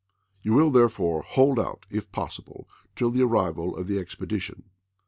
You wiU therefore hold out, if possible, till the arrival of the expedition.